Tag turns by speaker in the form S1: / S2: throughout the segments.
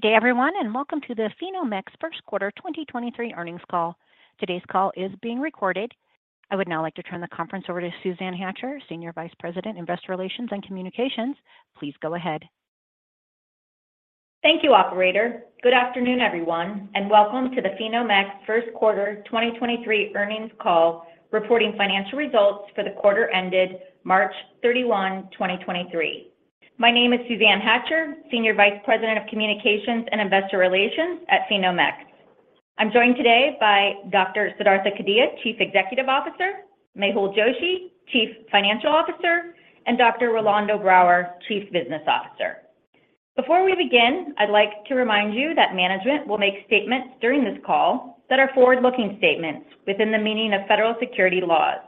S1: Good day everyone. Welcome to the PhenomeX first quarter 2023 earnings call. Today's call is being recorded. I would now like to turn the conference over to Suzanne Hatcher, Senior Vice President, Investor Relations and Communications. Please go ahead.
S2: Thank you, operator. Good afternoon, everyone, welcome to the PhenomeX first quarter 2023 earnings call, reporting financial results for the quarter ended March 31, 2023. My name is Suzanne Hatcher, Senior Vice President of Communications and Investor Relations at PhenomeX. I'm joined today by Dr. Siddhartha Kadia, Chief Executive Officer, Mehul Joshi, Chief Financial Officer, and Dr. Rolando Brouwer, Chief Business Officer. Before we begin, I'd like to remind you that management will make statements during this call that are forward-looking statements within the meaning of federal security laws.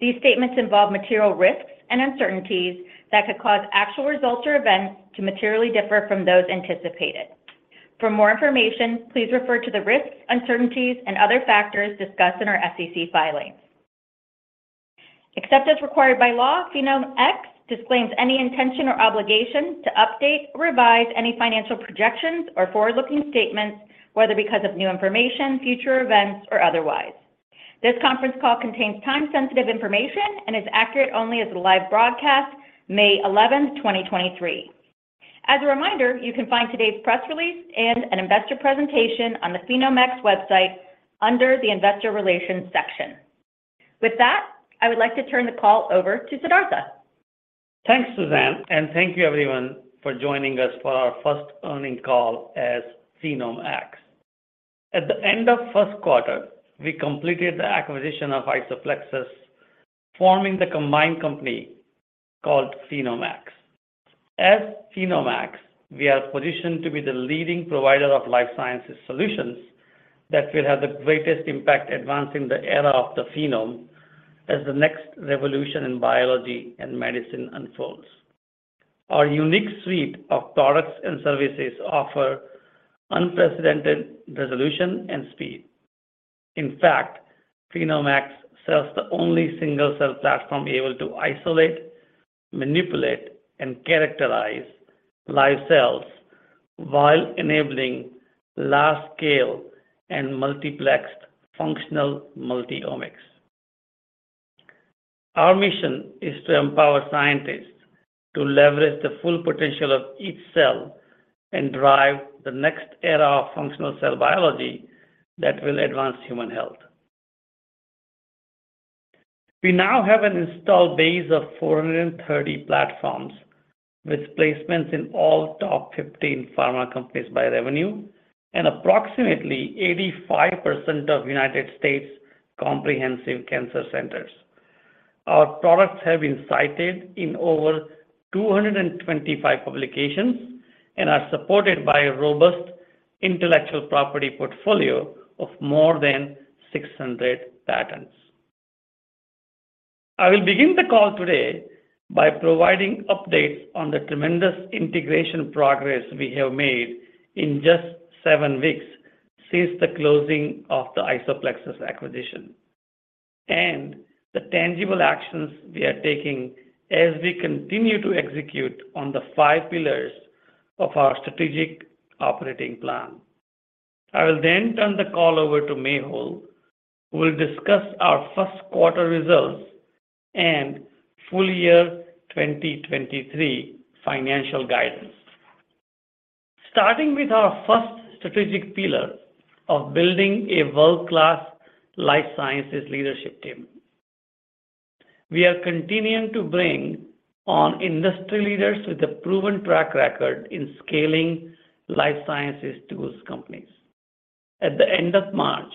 S2: These statements involve material risks and uncertainties that could cause actual results or events to materially differ from those anticipated. For more information, please refer to the risks, uncertainties and other factors discussed in our SEC filings. Except as required by law, PhenomeX disclaims any intention or obligation to update or revise any financial projections or forward-looking statements, whether because of new information, future events, or otherwise. This conference call contains time-sensitive information and is accurate only as of the live broadcast May 11, 2023. As a reminder, you can find today's press release and an investor presentation on the PhenomeX website under the Investor Relations section. With that, I would like to turn the call over to Siddhartha.
S3: Thanks, Suzanne, and thank you everyone for joining us for our first earning call as PhenomeX. At the end of first quarter, we completed the acquisition of IsoPlexis, forming the combined company called PhenomeX. As PhenomeX, we are positioned to be the leading provider of life sciences solutions that will have the greatest impact advancing the era of the phenome as the next revolution in biology and medicine unfolds. Our unique suite of products and services offer unprecedented resolution and speed. In fact, PhenomeX sells the only single-cell platform able to isolate, manipulate, and characterize live cells while enabling large scale and multiplexed functional multi-omics. Our mission is to empower scientists to leverage the full potential of each cell and drive the next era of functional cell biology that will advance human health. We now have an installed base of 430 platforms with placements in all top 15 pharma companies by revenue and approximately 85% of U.S. comprehensive cancer centers. Our products have been cited in over 225 publications and are supported by a robust intellectual property portfolio of more than 600 patents. I will begin the call today by providing updates on the tremendous integration progress we have made in just seven weeks since the closing of the IsoPlexis acquisition and the tangible actions we are taking as we continue to execute on the five pillars of our strategic operating plan. I will turn the call over to Mehul, who will discuss our first quarter results and full year 2023 financial guidance. Starting with our first strategic pillar of building a world-class life sciences leadership team, we are continuing to bring on industry leaders with a proven track record in scaling life sciences tools companies. At the end of March,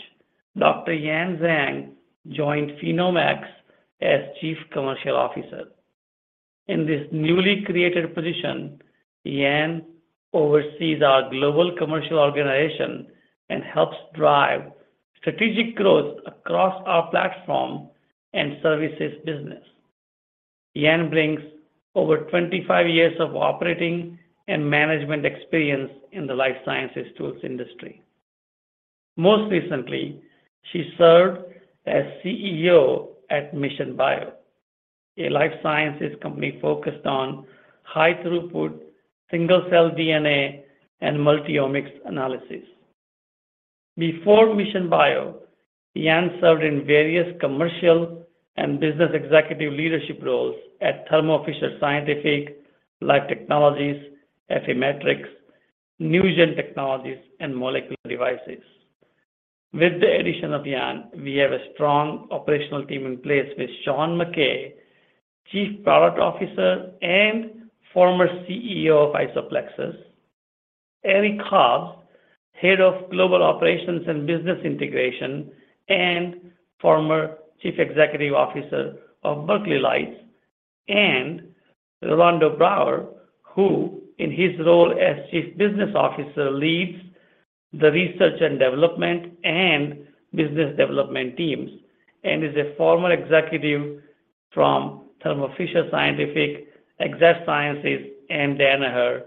S3: Dr. Yan Zhang joined PhenomeX as Chief Commercial Officer. In this newly created position, Yan oversees our global commercial organization and helps drive strategic growth across our platform and services business. Yan brings over 25 years of operating and management experience in the life sciences tools industry. Most recently, she served as CEO at Mission Bio, a life sciences company focused on high-throughput, single cell DNA and multi-omics analysis. Before Mission Bio, Yan served in various commercial and business executive leadership roles at Thermo Fisher Scientific, Life Technologies, EpiMetrics, NuGEN Technologies, and Molecular Devices. With the addition of Yan, we have a strong operational team in place with Sean Mackay, Chief Product Officer and former CEO of IsoPlexis, Eric Hobbs, Head of Global Operations and Business Integration and former Chief Executive Officer of Berkeley Lights, and Rolando Brouwer, who in his role as Chief Business Officer, leads the research and development and business development teams and is a former executive from Thermo Fisher Scientific, Exact Sciences, and Danaher.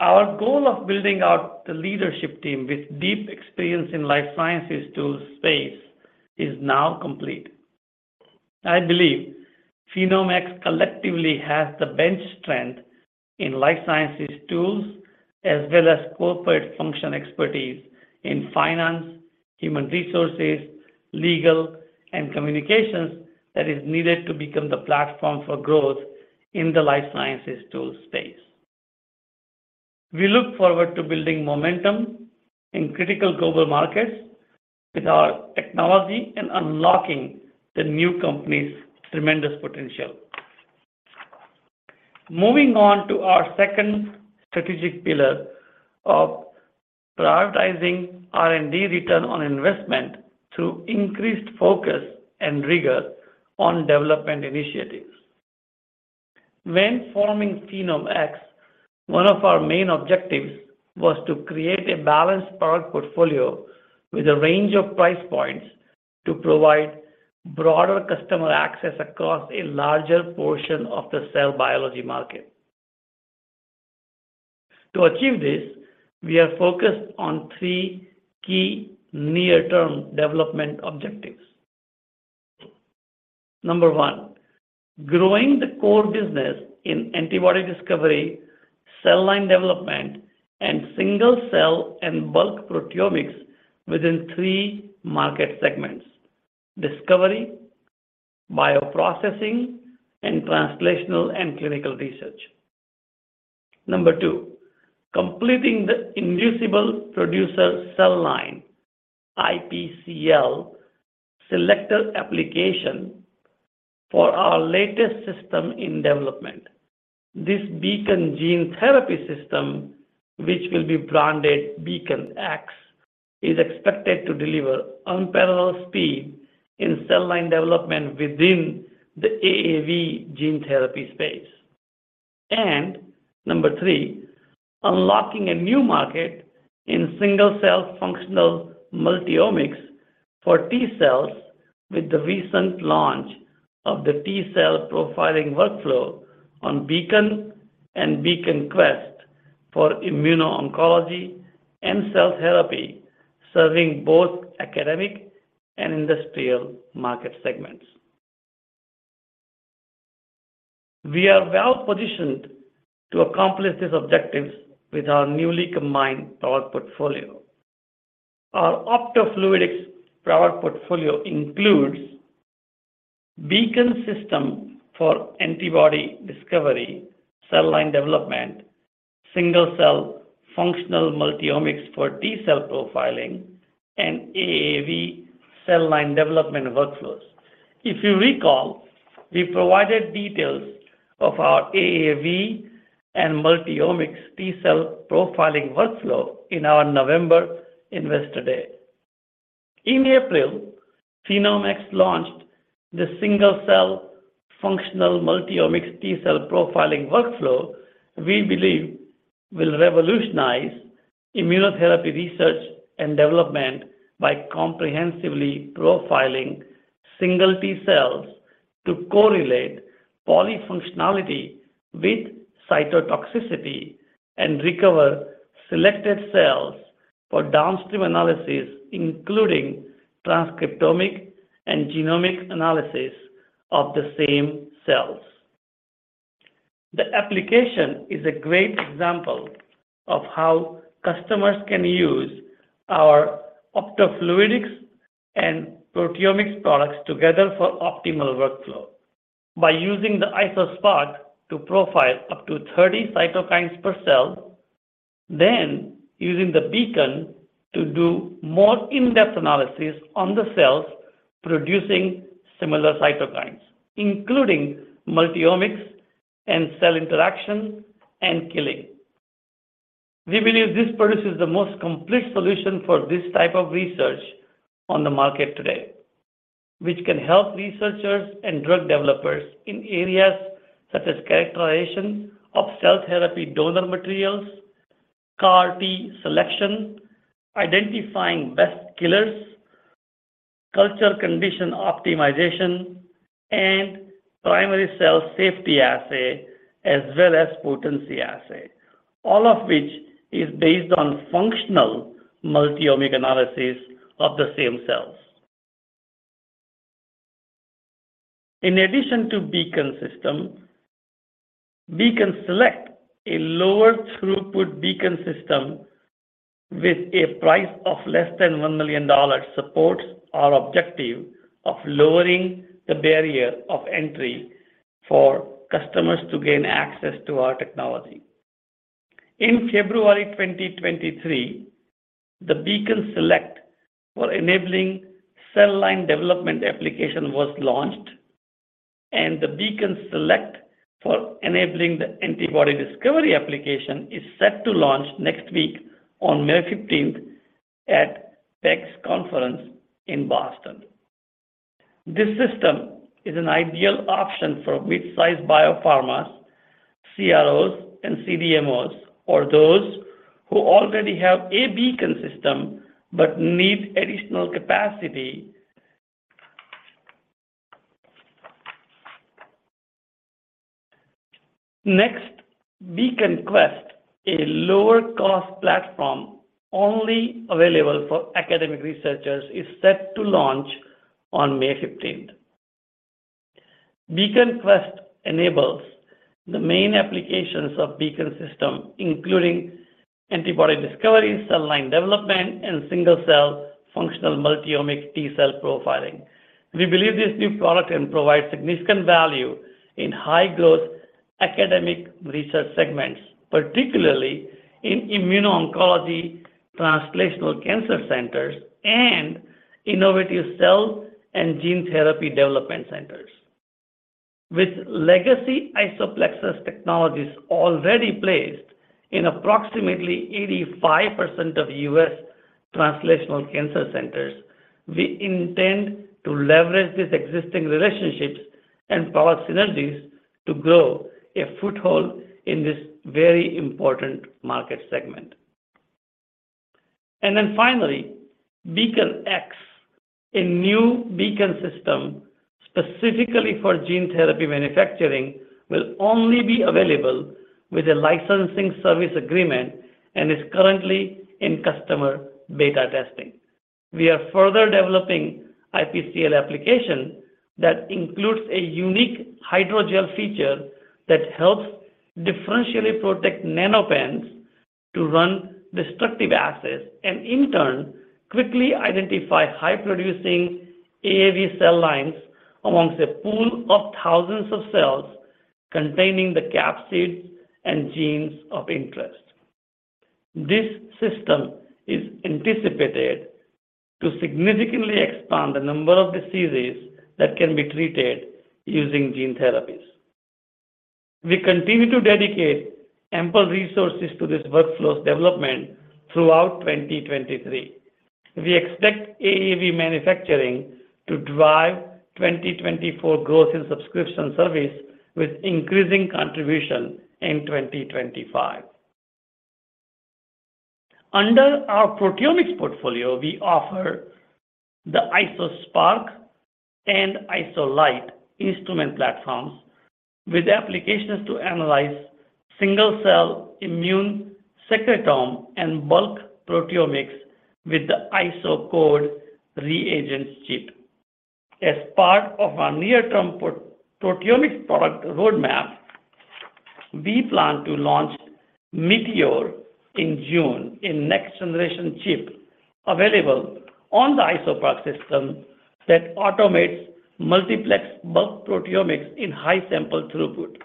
S3: Our goal of building out the leadership team with deep experience in life sciences tools space is now complete. I believe PhenomeX collectively has the bench strength in life sciences tools as well as corporate function expertise in finance, human resources, legal, and communications that is needed to become the platform for growth in the life sciences tool space. We look forward to building momentum in critical global markets with our technology and unlocking the new company's tremendous potential. Moving on to our second strategic pillar of prioritizing R&D return on investment through increased focus and rigor on development initiatives. When forming PhenomeX, one of our main objectives was to create a balanced product portfolio with a range of price points to provide broader customer access across a larger portion of the cell biology market. To achieve this, we are focused on three key near-term development objectives. Number 1, growing the core business in antibody discovery, cell line development, and single-cell and bulk proteomics within three market segments: discovery, bioprocessing, and translational and clinical research. Number 2, completing the inducible producer cell line, IPCL, selector application for our latest system in development. This Beacon gene therapy system, which will be branded Beacon X, is expected to deliver unparalleled speed in cell line development within the AAV gene therapy space. Three, unlocking a new market in single-cell functional multi-omics for T cells with the recent launch of the T cell profiling workflow on Beacon and Beacon Quest for immuno-oncology and cell therapy, serving both academic and industrial market segments. We are well-positioned to accomplish these objectives with our newly combined product portfolio. Our optofluidics product portfolio includes Beacon system for antibody discovery, cell line development, single-cell functional multi-omics for T cell profiling, and AAV cell line development workflows. If you recall, we provided details of our AAV and multi-omics T cell profiling workflow in our November Investor Day. In April, PhenomeX launched the single-cell functional multi-omics T cell profiling workflow we believe will revolutionize immunotherapy research and development by comprehensively profiling single T cells to correlate polyfunctionality with cytotoxicity and recover selected cells for downstream analysis, including transcriptomic and genomic analysis of the same cells. The application is a great example of how customers can use our optofluidics and proteomics products together for optimal workflow by using the IsoSpot to profile up to 30 cytokines per cell, then using the Beacon to do more in-depth analysis on the cells producing similar cytokines, including multi-omics and cell interaction and killing. We believe this produces the most complete solution for this type of research on the market today, which can help researchers and drug developers in areas such as characterization of cell therapy donor materials, CAR T selection, identifying best killers, culture condition optimization, and primary cell safety assay, as well as potency assay, all of which is based on functional multi-omic analysis of the same cells. In addition to Beacon system, Beacon Select, a lower throughput Beacon system with a price of less than $1 million, supports our objective of lowering the barrier of entry for customers to gain access to our technology. In February 2023, the Beacon Select for enabling cell line development application was launched, and the Beacon Select for enabling the antibody discovery application is set to launch next week on May 15th at PEGS conference in Boston. This system is an ideal option for mid-sized biopharmas, CROs, and CDMOs, or those who already have a Beacon system but need additional capacity. Next, Beacon Quest, a lower cost platform only available for academic researchers, is set to launch on May 15th. Beacon Quest enables the main applications of Beacon system, including antibody discovery, cell line development, and single-cell functional multi-omic T-cell profiling. We believe this new product can provide significant value in high-growth academic research segments, particularly in immuno-oncology, translational cancer centers, and innovative cell and gene therapy development centers. With legacy IsoPlexis technologies already placed in approximately 85% of U.S. translational cancer centers, we intend to leverage these existing relationships and power synergies to grow a foothold in this very important market segment. Then finally, Beacon X, a new Beacon system specifically for gene therapy manufacturing, will only be available with a licensing service agreement and is currently in customer beta testing. We are further developing IPCL application that includes a unique hydrogel feature that helps differentially protect NanoPen to run destructive assays, and in turn, quickly identify high-producing AAV cell lines amongst a pool of thousands of cells containing the capsids and genes of interest. This system is anticipated to significantly expand the number of diseases that can be treated using gene therapies. We continue to dedicate ample resources to this workflow's development throughout 2023. We expect AAV manufacturing to drive 2024 growth in subscription service with increasing contribution in 2025. Under our proteomics portfolio, we offer the IsoSpark and IsoLight instrument platforms with applications to analyze single-cell immune secretome and bulk proteomics with the IsoCode Reagents chip. As part of our near-term pro-proteomics product roadmap, we plan to launch Meteor in June, a next-generation chip available on the IsoSpark system that automates multiplex bulk proteomics in high sample throughput.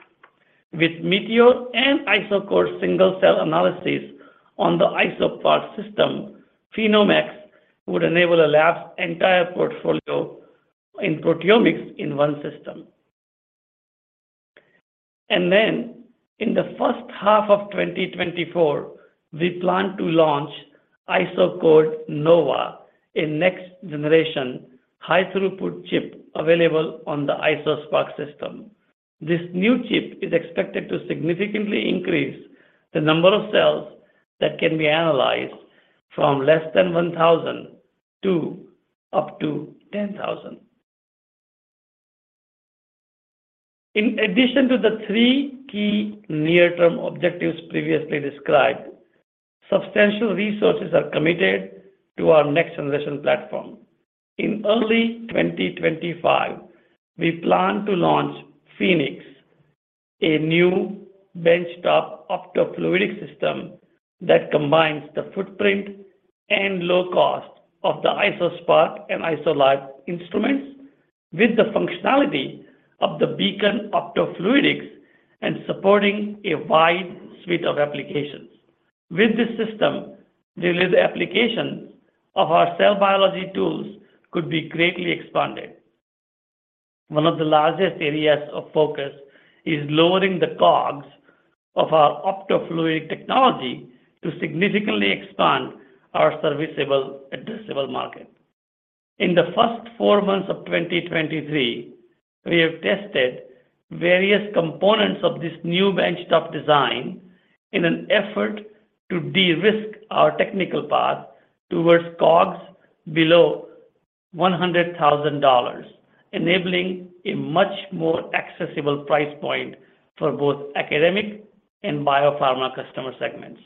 S3: With Meteor and IsoCode single-cell analysis on the IsoSpark system, PhenomeX would enable a lab's entire portfolio in proteomics in one system. In the first half of 2024, we plan to launch IsoCode Nova, a next-generation high-throughput chip available on the IsoSpark system. This new chip is expected to significantly increase the number of cells that can be analyzed from less than 1,000 to up to 10,000. In addition to the three key near-term objectives previously described, substantial resources are committed to our next-generation platform. In early 2025, we plan to launch Phoenix, a new benchtop optofluidic system that combines the footprint and low cost of the IsoSpark and IsoLight instruments with the functionality of the Beacon optofluidics and supporting a wide suite of applications. With this system, the applications of our cell biology tools could be greatly expanded. One of the largest areas of focus is lowering the COGS of our optofluidic technology to significantly expand our serviceable addressable market. In the first four months of 2023, we have tested various components of this new benchtop design in an effort to de-risk our technical path towards COGS below $100,000, enabling a much more accessible price point for both academic and biopharma customer segments.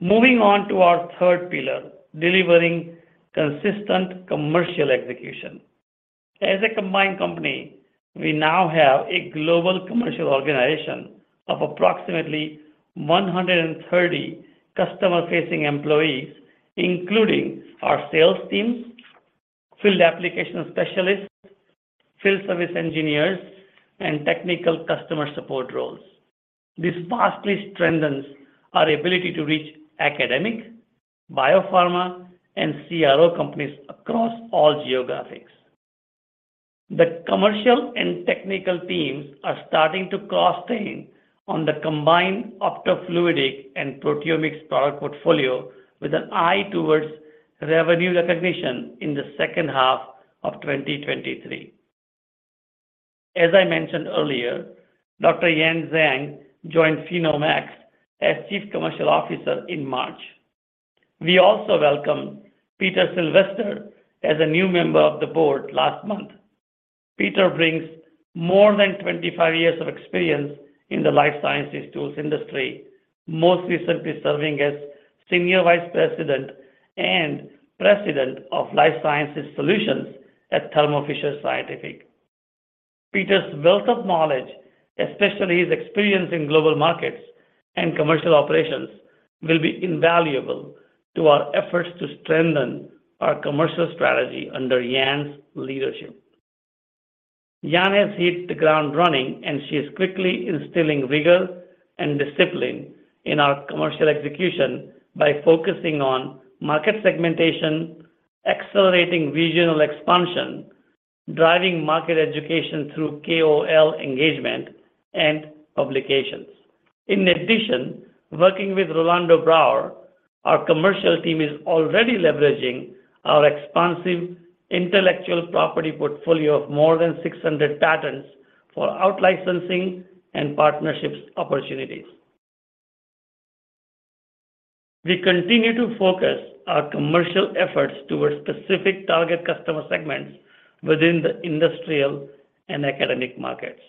S3: Moving on to our third pillar, delivering consistent commercial execution. As a combined company, we now have a global commercial organization of approximately 130 customer-facing employees, including our sales teams, field application specialists, field service engineers, and technical customer support roles. This vastly strengthens our ability to reach academic, biopharma, and CRO companies across all geographics. The commercial and technical teams are starting to cross train on the combined optofluidic and proteomics product portfolio with an eye towards revenue recognition in the second half of 2023. As I mentioned earlier, Dr. Yan Zhang joined PhenomeX as Chief Commercial Officer in March. We also welcomed Peter Silvester as a new member of the board last month. Peter brings more than 25 years of experience in the life sciences tools industry, most recently serving as Senior Vice President and President of Life Sciences Solutions at Thermo Fisher Scientific. Peter's wealth of knowledge, especially his experience in global markets and commercial operations, will be invaluable to our efforts to strengthen our commercial strategy under Yan's leadership. Yan has hit the ground running, and she is quickly instilling rigor and discipline in our commercial execution by focusing on market segmentation, accelerating regional expansion, driving market education through KOL engagement and publications. Working with Rolando Brouwer, our commercial team is already leveraging our expansive intellectual property portfolio of more than 600 patents for out-licensing and partnerships opportunities. We continue to focus our commercial efforts towards specific target customer segments within the industrial and academic markets.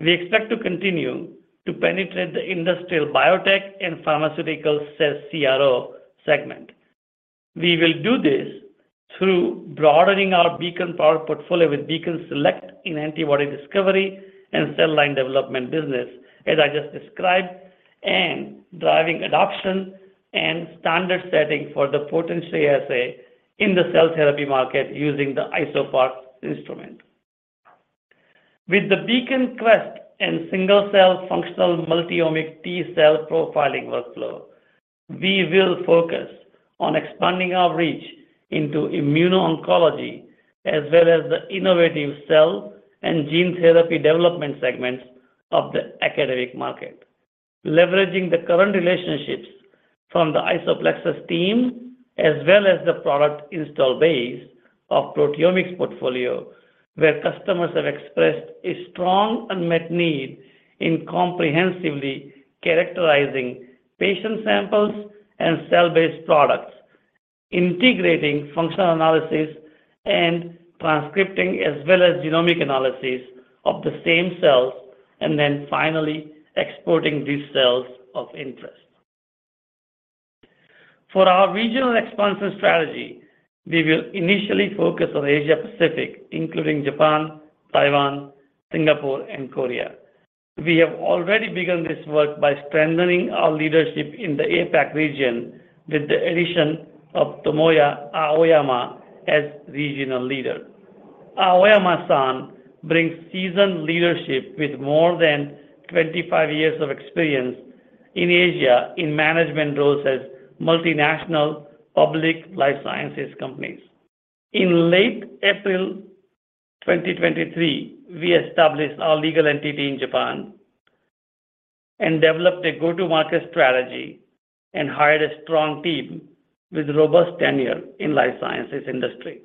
S3: We expect to continue to penetrate the industrial biotech and pharmaceutical cell CRO segment. We will do this through broadening our Beacon Power portfolio with Beacon Select in antibody discovery and cell line development business, as I just described, and driving adoption and standard setting for the potency assay in the cell therapy market using the IsoSpark instrument. With the Beacon Quest and single-cell functional multi-omic T-cell profiling workflow, we will focus on expanding our reach into immuno-oncology, as well as the innovative cell and gene therapy development segments of the academic market, leveraging the current relationships from the IsoPlexis team, as well as the product install base of proteomics portfolio, where customers have expressed a strong unmet need in comprehensively characterizing patient samples and cell-based products, integrating functional analysis and transcripting, as well as genomic analysis of the same cells, and then finally exporting these cells of interest. For our regional expansion strategy, we will initially focus on Asia Pacific, including Japan, Taiwan, Singapore, and Korea. We have already begun this work by strengthening our leadership in the APAC region with the addition of Tomoya Aoyama as regional leader. Aoyama-san brings seasoned leadership with more than 25 years of experience in Asia in management roles at multinational public life sciences companies. In late April 2023, we established our legal entity in Japan and developed a go-to-market strategy and hired a strong team with robust tenure in life sciences industry.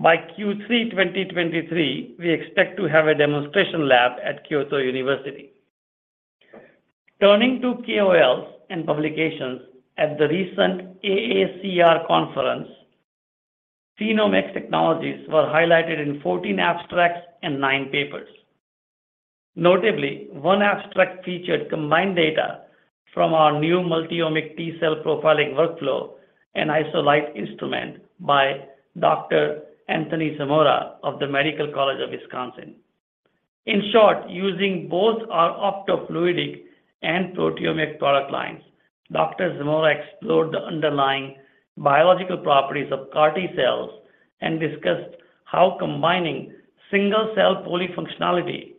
S3: By Q3 2023, we expect to have a demonstration lab at Kyoto University. Turning to KOLs and publications at the recent AACR conference, PhenomeX technologies were highlighted in 14 abstracts and nine papers. Notably, one abstract featured combined data from our new multi-omic T-cell profiling workflow and IsoLite instrument by Dr. Anthony Zamora of The Medical College of Wisconsin. In short, using both our optofluidic and proteomic product lines, Dr. Zamora explored the underlying biological properties of CAR T-cells and discussed how combining single-cell polyfunctionality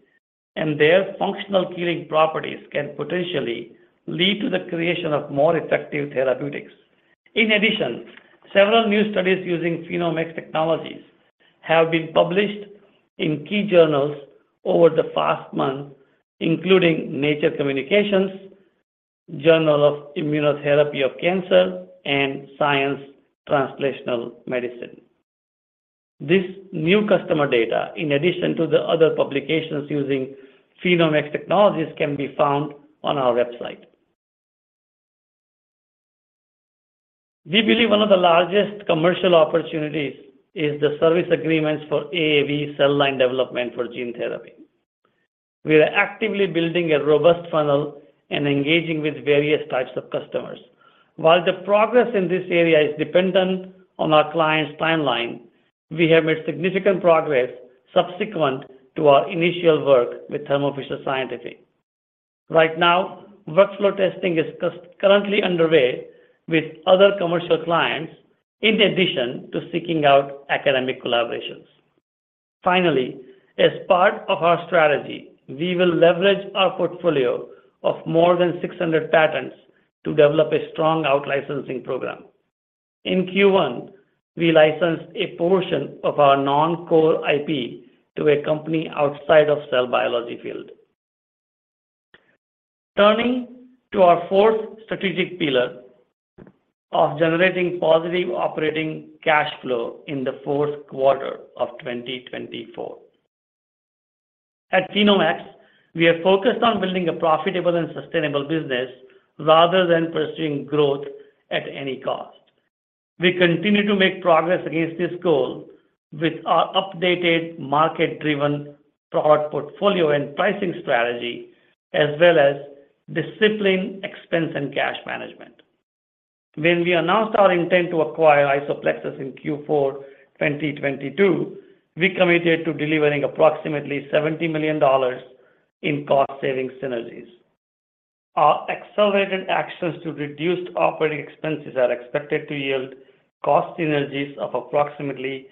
S3: and their functional killing properties can potentially lead to the creation of more effective therapeutics. Several new studies using PhenomeX technologies have been published in key journals over the past month, including Nature Communications, Journal for ImmunoTherapy of Cancer, and Science Translational Medicine. This new customer data, in addition to the other publications using PhenomeX technologies, can be found on our website. We believe one of the largest commercial opportunities is the service agreements for AAV cell line development for gene therapy. We are actively building a robust funnel and engaging with various types of customers. While the progress in this area is dependent on our clients' timeline, we have made significant progress subsequent to our initial work with Thermo Fisher Scientific. Right now, workflow testing is currently underway with other commercial clients in addition to seeking out academic collaborations. As part of our strategy, we will leverage our portfolio of more than 600 patents to develop a strong out-licensing program. In Q1, we licensed a portion of our non-core IP to a company outside of cell biology field. To our fourth strategic pillar of generating positive operating cash flow in the fourth quarter of 2024. At PhenomeX, we are focused on building a profitable and sustainable business rather than pursuing growth at any cost. We continue to make progress against this goal with our updated market-driven product portfolio and pricing strategy as well as disciplined expense and cash management. When we announced our intent to acquire IsoPlexis in Q4 2022, we committed to delivering approximately $70 million in cost saving synergies. Our accelerated actions to reduced operating expenses are expected to yield cost synergies of approximately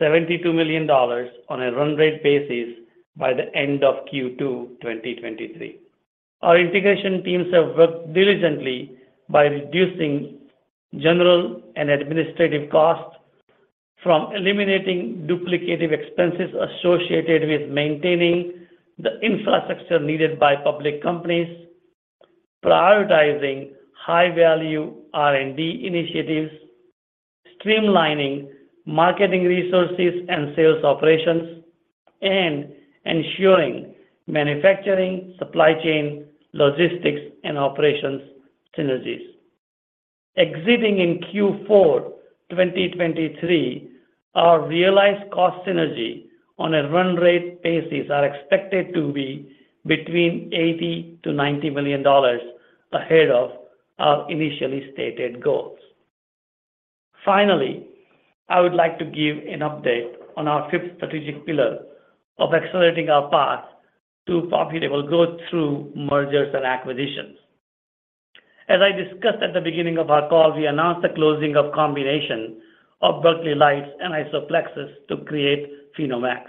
S3: $72 million on a run rate basis by the end of Q2 2023. Our integration teams have worked diligently by reducing general and administrative costs from eliminating duplicative expenses associated with maintaining the infrastructure needed by public companies, prioritizing high-value R&D initiatives, streamlining marketing resources and sales operations, and ensuring manufacturing, supply chain, logistics, and operations synergies. Exiting in Q4 2023, our realized cost synergy on a run rate basis are expected to be between $80 million to $90 million ahead of our initially stated goals. I would like to give an update on our fifth strategic pillar of accelerating our path to profitable growth through mergers and acquisitions. As I discussed at the beginning of our call, we announced the closing of combination of Berkeley Lights and IsoPlexis to create PhenomeX.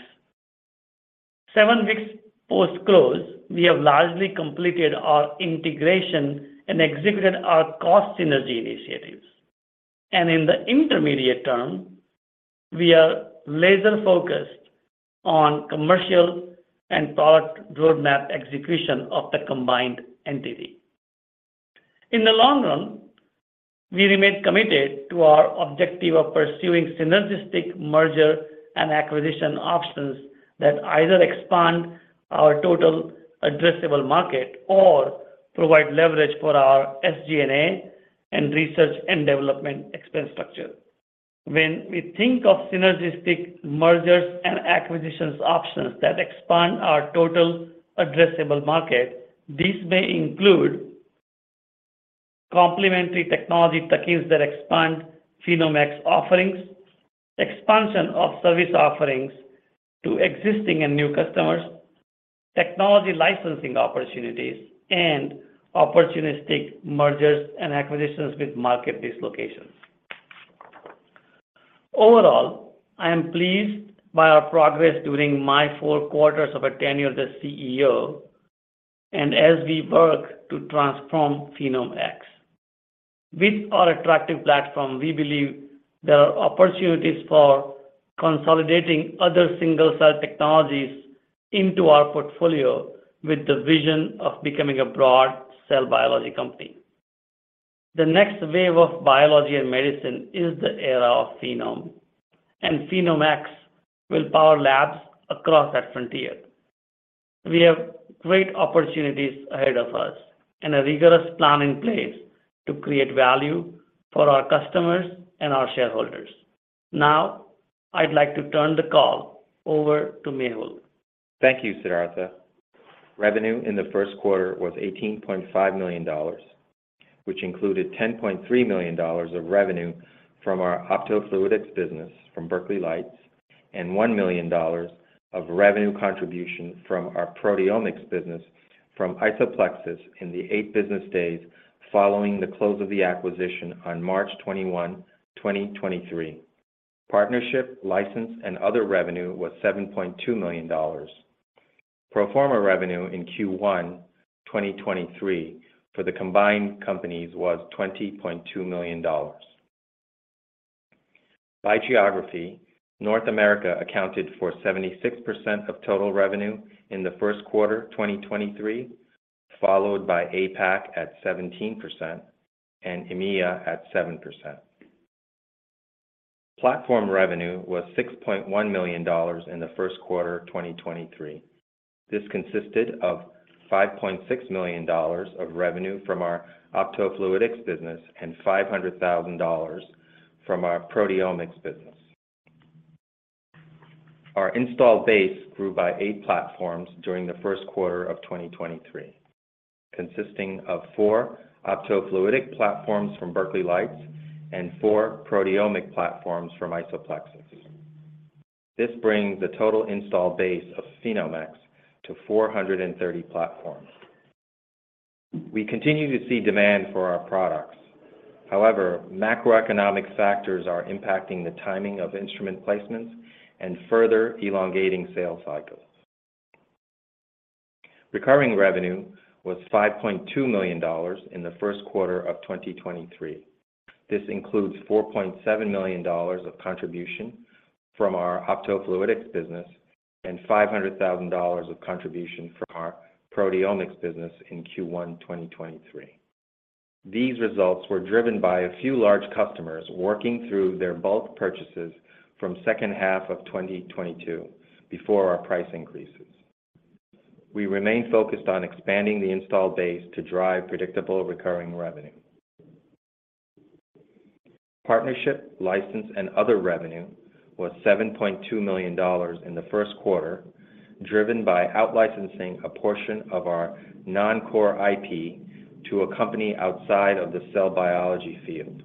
S3: Seven weeks post-close, we have largely completed our integration and executed our cost synergy initiatives. In the intermediate term, we are laser-focused on commercial and product roadmap execution of the combined entity. In the long run, we remain committed to our objective of pursuing synergistic merger and acquisition options that either expand our total addressable market or provide leverage for our SG&A and research and development expense structure. When we think of synergistic mergers and acquisitions options that expand our total addressable market, these may include complementary technology techies that expand PhenomeX offerings, expansion of service offerings to existing and new customers, technology licensing opportunities, and opportunistic mergers and acquisitions with market dislocations. Overall, I am pleased by our progress during my four quarters of a tenure as the CEO and as we work to transform PhenomeX. With our attractive platform, we believe there are opportunities for consolidating other single-cell technologies into our portfolio with the vision of becoming a broad cell biology company. The next wave of biology and medicine is the era of phenome, and PhenomeX will power labs across that frontier. We have great opportunities ahead of us and a rigorous plan in place to create value for our customers and our shareholders. Now, I'd like to turn the call over to Mehul.
S4: Thank you, Siddhartha. Revenue in the first quarter was $18.5 million, which included $10.3 million of revenue from our optofluidics business from Berkeley Lights and $1 million of revenue contribution from our proteomics business from IsoPlexis in the eight business days following the close of the acquisition on March 21, 2023. Partnership, license, and other revenue was $7.2 million. Pro forma revenue in Q1 2023 for the combined companies was $20.2 million. By geography, North America accounted for 76% of total revenue in the first quarter 2023, followed by APAC at 17% and EMEA at 7%. Platform revenue was $6.1 million in the first quarter 2023. This consisted of $5.6 million of revenue from our optofluidics business and $500,000 from our proteomics business. Our installed base grew by eight platforms during the first quarter of 2023, consisting of four optofluidic platforms from Berkeley Lights and four proteomic platforms from IsoPlexis. This brings the total installed base of PhenomeX to 430 platforms. We continue to see demand for our products. However, macroeconomic factors are impacting the timing of instrument placements and further elongating sales cycles. Recurring revenue was $5.2 million in the first quarter of 2023. This includes $4.7 million of contribution from our optofluidics business and $500,000 of contribution from our proteomics business in Q1 2023. These results were driven by a few large customers working through their bulk purchases from second half of 2022 before our price increases. We remain focused on expanding the install base to drive predictable recurring revenue. Partnership, license, and other revenue was $7.2 million in the first quarter, driven by out-licensing a portion of our non-core IP to a company outside of the cell biology field.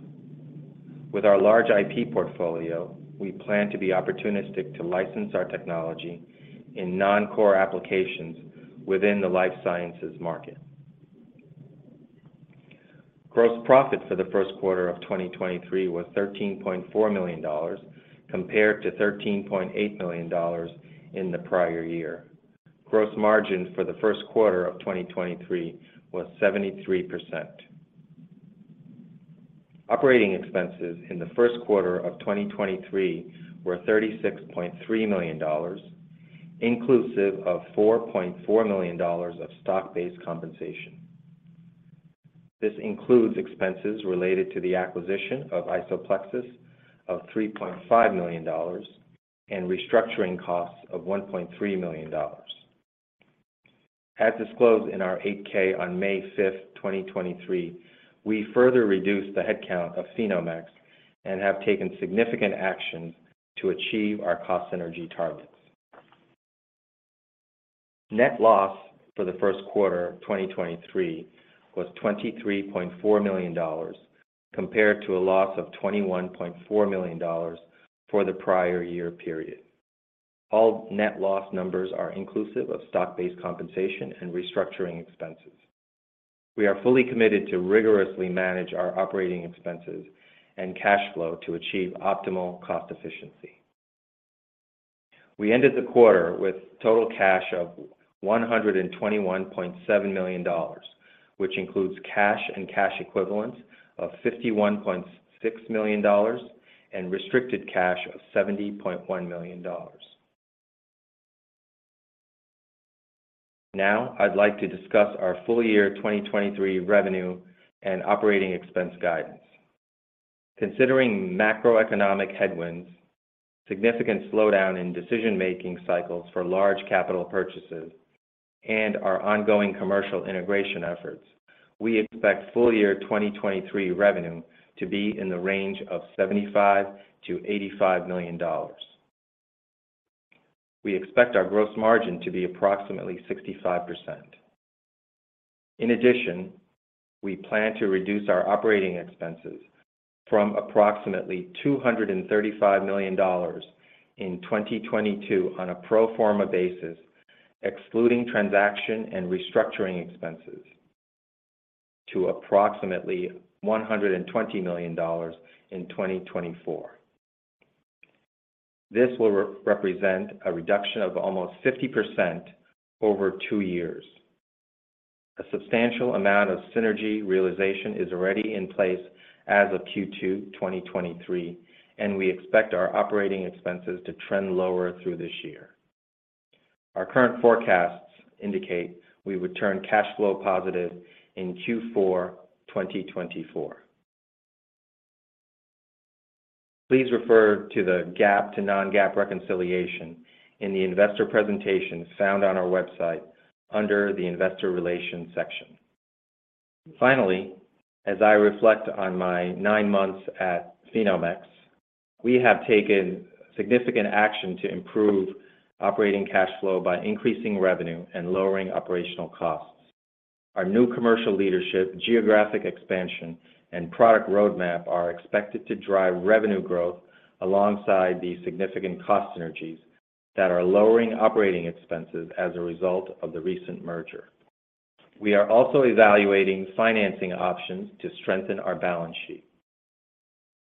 S4: With our large IP portfolio, we plan to be opportunistic to license our technology in non-core applications within the life sciences market. Gross profit for the first quarter of 2023 was $13.4 million compared to $13.8 million in the prior year. Gross margin for the first quarter of 2023 was 73%. Operating expenses in the first quarter of 2023 were $36.3 million, inclusive of $4.4 million of stock-based compensation. This includes expenses related to the acquisition of IsoPlexis of $3.5 million and restructuring costs of $1.3 million. As disclosed in our 8-K on May 5th, 2023, we further reduced the headcount of PhenomeX and have taken significant action to achieve our cost synergy targets. Net loss for the first quarter, 2023 was $23.4 million compared to a loss of $21.4 million for the prior year period. All net loss numbers are inclusive of stock-based compensation and restructuring expenses. We are fully committed to rigorously manage our operating expenses and cash flow to achieve optimal cost efficiency. We ended the quarter with total cash of $121.7 million, which includes cash and cash equivalents of $51.6 million and restricted cash of $70.1 million. I'd like to discuss our full year 2023 revenue and OpEx guidance. Considering macroeconomic headwinds, significant slowdown in decision-making cycles for large capital purchases, and our ongoing commercial integration efforts, we expect full year 2023 revenue to be in the range of $75 million-$85 million. We expect our gross margin to be approximately 65%. We plan to reduce our OpEx from approximately $235 million in 2022 on a pro forma basis, excluding transaction and restructuring expenses, to approximately $120 million in 2024. This will re-represent a reduction of almost 50% over two years. A substantial amount of synergy realization is already in place as of Q2 2023. We expect our operating expenses to trend lower through this year. Our current forecasts indicate we would turn cash flow positive in Q4 2024. Please refer to the GAAP to non-GAAP reconciliation in the investor presentation found on our website under the Investor Relations section. As I reflect on my nine months at PhenomeX, we have taken significant action to improve operating cash flow by increasing revenue and lowering operational costs. Our new commercial leadership, geographic expansion, and product roadmap are expected to drive revenue growth alongside the significant cost synergies that are lowering operating expenses as a result of the recent merger. We are also evaluating financing options to strengthen our balance sheet.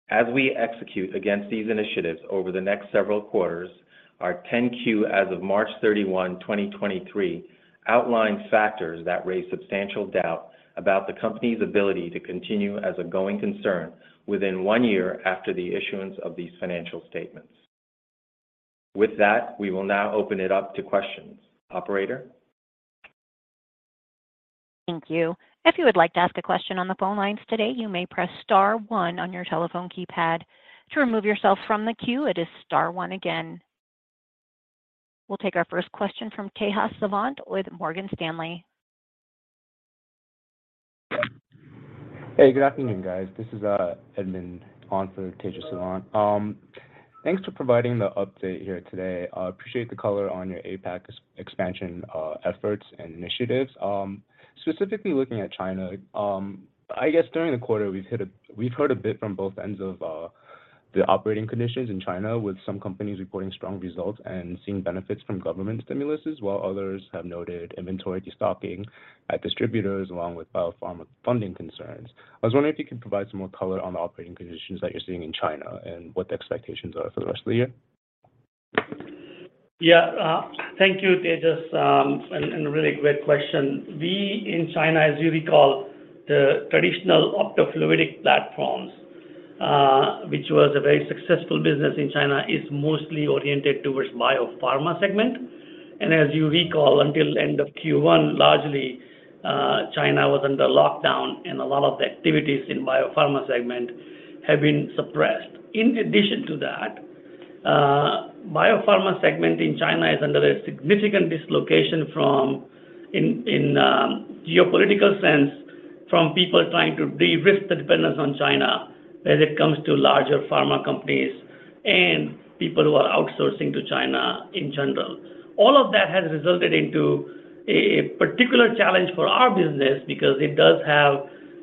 S4: As we execute against these initiatives over the next several quarters, our 10-Q as of March 31, 2023 outlines factors that raise substantial doubt about the company's ability to continue as a going concern within one year after the issuance of these financial statements. With that, we will now open it up to questions. Operator?
S1: Thank you. If you would like to ask a question on the phone lines today, you may press star one on your telephone keypad. To remove yourself from the queue, it is star one again. We'll take our first question from Tejas Savant with Morgan Stanley.
S5: Hey, good afternoon, guys. This is Edmund on for Tejas Savant. Thanks for providing the update here today. I appreciate the color on your APAC ex-expansion efforts and initiatives. Specifically looking at China, I guess during the quarter, we've heard a bit from both ends of the operating conditions in China with some companies reporting strong results and seeing benefits from government stimuluses, while others have noted inventory destocking at distributors, along with biopharma funding concerns. I was wondering if you could provide some more color on the operating conditions that you're seeing in China and what the expectations are for the rest of the year.
S3: Yeah. Thank you, Tejas, and a really great question. We, in China, as you recall, the traditional optofluidic platforms which was a very successful business in China, is mostly oriented towards biopharma segment. As you recall, until end of Q1, largely, China was under lockdown, and a lot of the activities in biopharma segment have been suppressed. In addition to that, biopharma segment in China is under a significant dislocation in geopolitical sense, from people trying to de-risk the dependence on China as it comes to larger pharma companies and people who are outsourcing to China in general. All of that has resulted into a particular challenge for our business because it does have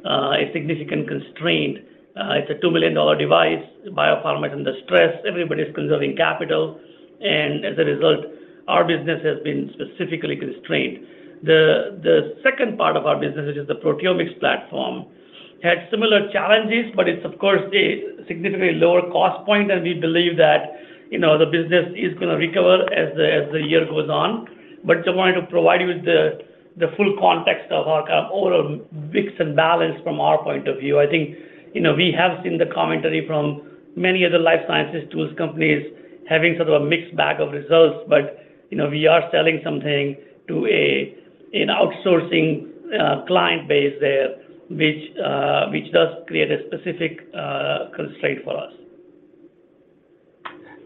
S3: a significant constraint. It's a $2 million device. Biopharma is under stress. Everybody's conserving capital. As a result, our business has been specifically constrained. The second part of our business, which is the proteomics platform, had similar challenges. It's of course a significantly lower cost point, and we believe that, you know, the business is gonna recover as the year goes on. Just wanted to provide you with the full context of our overall mix and balance from our point of view. I think, you know, we have seen the commentary from many of the life sciences tools companies having sort of a mixed bag of results. You know, we are selling something to an outsourcing client base there which does create a specific constraint for us.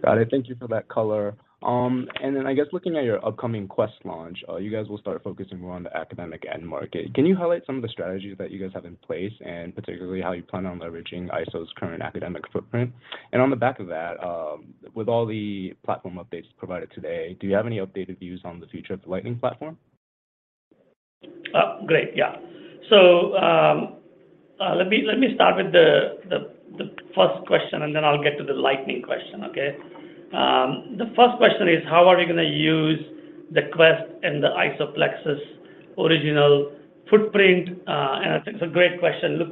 S5: Got it. Thank you for that color. I guess looking at your upcoming Quest launch, you guys will start focusing more on the academic end market. Can you highlight some of the strategies that you guys have in place, and particularly how you plan on leveraging Iso's current academic footprint? With all the platform updates provided today, do you have any updated views on the future of the Lightning platform?
S3: Great, yeah. Let me start with the first question, and then I'll get to the Lightning question, okay? The first question is how are we gonna use the Beacon Quest and the IsoPlexis original footprint? I think it's a great question. Look,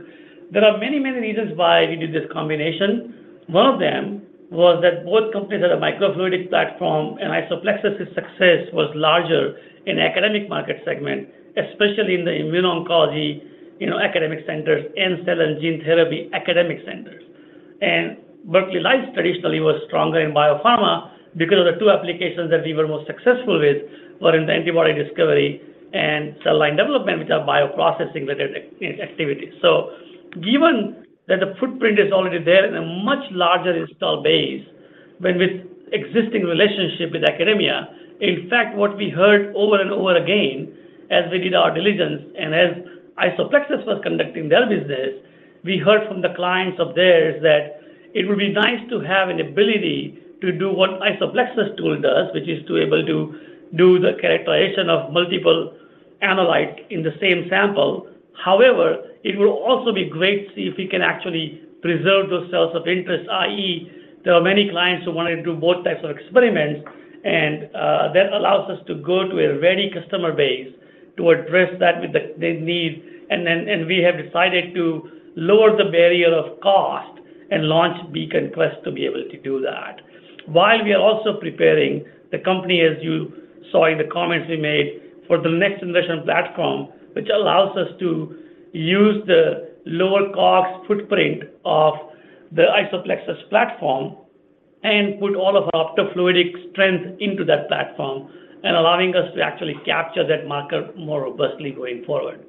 S3: there are many, many reasons why we did this combination. One of them was that both companies had a microfluidic platform, and IsoPlexis's success was larger in academic market segment, especially in the immuno-oncology, you know, academic centers and cell and gene therapy academic centers. Berkeley Lights traditionally was stronger in biopharma because of the two applications that we were most successful with were in the antibody discovery and cell line development, which are bioprocessing related activities. Given that the footprint is already there in a much larger install base with existing relationship with academia, in fact, what we heard over and over again as we did our diligence and as IsoPlexis was conducting their business, we heard from the clients of theirs that it would be nice to have an ability to do what IsoPlexis tool does, which is to able to do the characterization of multiple analyte in the same sample. It will also be great to see if we can actually preserve those cells of interest, i.e., there are many clients who wanna do both types of experiments and that allows us to go to a ready customer base to address that with the needs. We have decided to lower the barrier of cost and launch Beacon Quest to be able to do that. While we are also preparing the company, as you saw in the comments we made, for the next generation platform, which allows us to use the lower cost footprint of the IsoPlexis platform and put all of our optofluidic strength into that platform and allowing us to actually capture that marker more robustly going forward.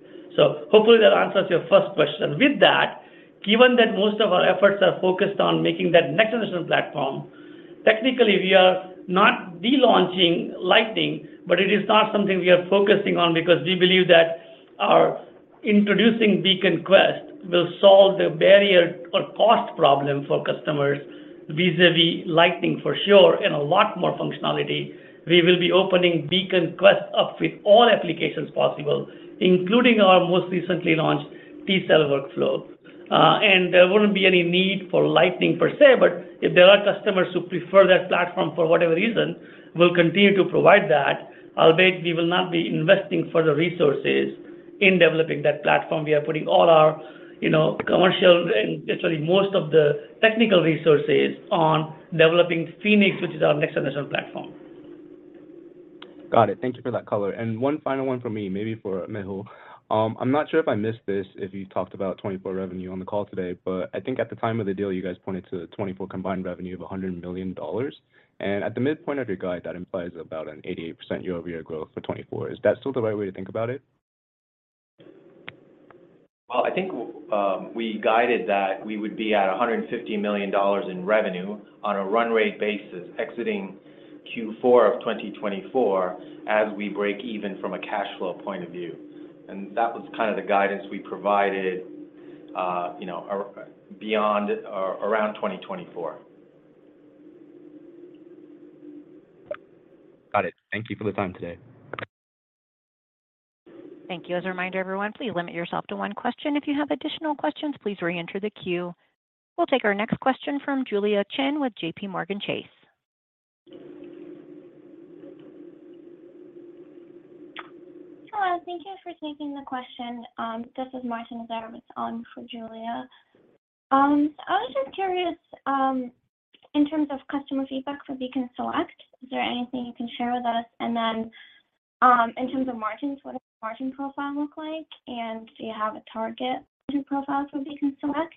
S3: Hopefully that answers your first question. Given that most of our efforts are focused on making that next generation platform, technically, we are not de-launching Lightning, but it is not something we are focusing on because we believe that our introducing Beacon Quest will solve the barrier or cost problem for customers vis-a-vis Lightning for sure and a lot more functionality. We will be opening Beacon Quest up with all applications possible, including our most recently launched T-cell workflow. There wouldn't be any need for Lightning per se, but if there are customers who prefer that platform for whatever reason, we'll continue to provide that. Albeit, we will not be investing further resources in developing that platform. We are putting all our, you know, commercial and literally most of the technical resources on developing Phoenix, which is our next generation platform.
S5: Got it. Thank you for that color. One final one for me, maybe for Mehul. I'm not sure if I missed this, if you talked about 2024 revenue on the call today, but I think at the time of the deal, you guys pointed to a 2024 combined revenue of $100 million. At the midpoint of your guide, that implies about an 88% year-over-year growth for 2024. Is that still the right way to think about it?
S4: Well, I think, we guided that we would be at $150 million in revenue on a run rate basis exiting Q4 of 2024 as we break even from a cash flow point of view. That was kind of the guidance we provided, you know, or around 2024.
S5: Got it. Thank Thank you for the time today.
S1: Thank you. As a reminder, everyone, please limit yourself to one question. If you have additional questions, please reenter the queue. We'll take our next question from Julia Chen with JPMorgan Chase.
S6: Hello. Thank you for taking the question. This is Marta Zotova on for Julia. I was just curious in terms of customer feedback for Beacon Select, is there anything you can share with us? In terms of margins, what does the margin profile look like, and do you have a target margin profile for Beacon Select?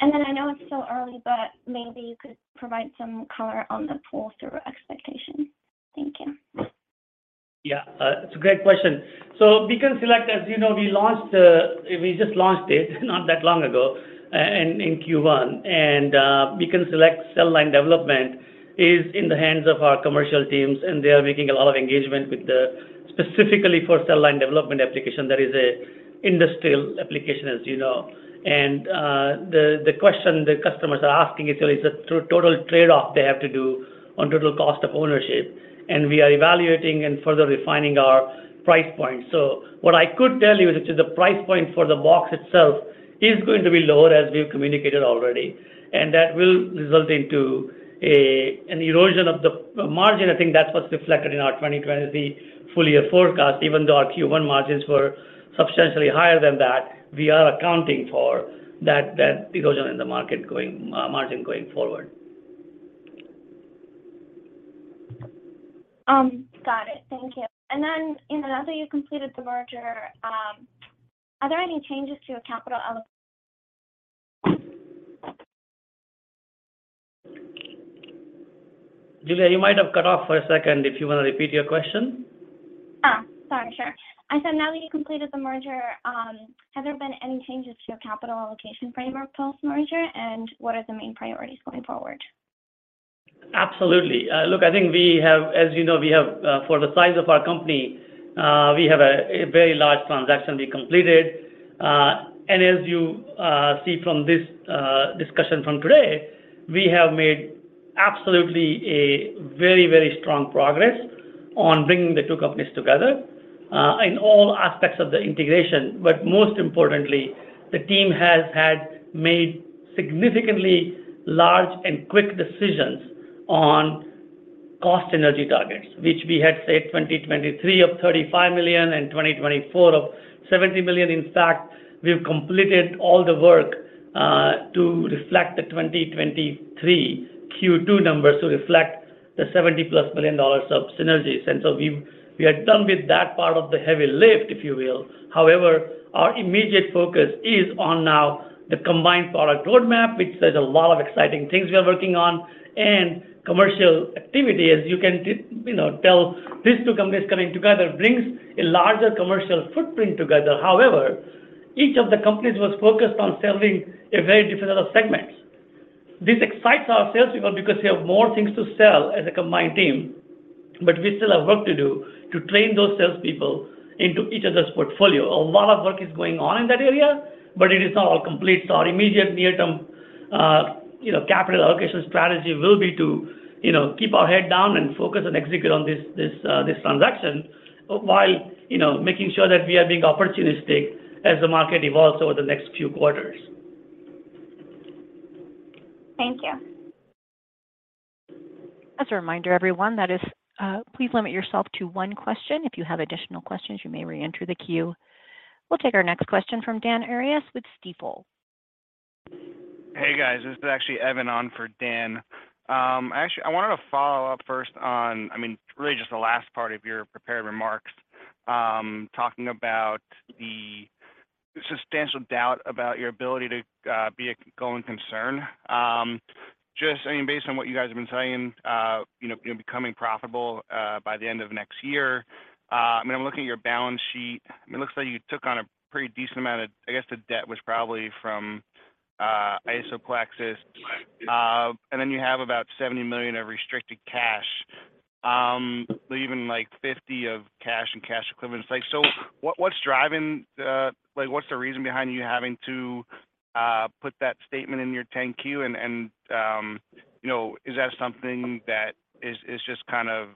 S6: I know it's still early, but maybe you could provide some color on the pull-through expectations. Thank you.
S3: Yeah, it's a great question. Beacon Select, as you know, we just launched it not that long ago in Q1. Beacon Select cell line development is in the hands of our commercial teams, and they are making a lot of engagement specifically for cell line development application. That is a industrial application, as you know. The question the customers are asking is really the total trade-off they have to do on total cost of ownership, and we are evaluating and further refining our price point. What I could tell you is that the price point for the box itself is going to be lower, as we've communicated already. That will result into a, an erosion of the margin. I think that's what's reflected in our 2020 fully forecast. Even though our Q1 margins were substantially higher than that, we are accounting for that erosion in the market margin going forward.
S6: Got it. Thank you. Now that you completed the merger, are there any changes to your capital?
S3: Julia, you might have cut off for a second. If you wanna repeat your question?
S6: Sorry. Sure. I said now that you completed the merger, have there been any changes to your capital allocation framework post-merger, and what are the main priorities going forward?
S3: Absolutely. Look, I think as you know, we have for the size of our company, we have a very large transaction we completed. As you see from this discussion from today, we have made absolutely a very strong progress on bringing the two companies together in all aspects of the integration. Most importantly, the team has had made significantly large and quick decisions on cost synergy targets, which we had said 2023 of $35 million and 2024 of $70 million. In fact, we've completed all the work to reflect the 2023 Q2 numbers to reflect the $70+ million of synergies. We are done with that part of the heavy lift, if you will. Our immediate focus is on now the combined product roadmap, which there's a lot of exciting things we are working on, and commercial activity. As you can, you know, tell, these two companies coming together brings a larger commercial footprint together. Each of the companies was focused on selling a very different segments. This excites our salespeople because we have more things to sell as a combined team, but we still have work to do to train those salespeople into each other's portfolio. A lot of work is going on in that area, but it is not all complete. Our immediate near-term, you know, capital allocation strategy will be to, you know, keep our head down and focus and execute on this transaction while, you know, making sure that we are being opportunistic as the market evolves over the next few quarters.
S6: Thank you.
S1: As a reminder, everyone, that is, please limit yourself to one question. If you have additional questions, you may reenter the queue. We'll take our next question from Dan Arias with Stifel.
S7: Hey, guys. This is actually Evan on for Dan. Actually, I wanted to follow up first on, I mean, really just the last part of your prepared remarks, talking about the substantial doubt about your ability to be a going concern. Just, I mean, based on what you guys have been saying, you know, you know, becoming profitable by the end of next year. I mean, I'm looking at your balance sheet. I mean, it looks like you took on a pretty decent amount of, I guess, the debt was probably from IsoPlexis. You have about $70 million of restricted cash. Leaving, like, $50 million of cash and cash equivalents. Like, so what's driving the, Like, what's the reason behind you having to put that statement in your 10-Q? You know, is that something that is just kind of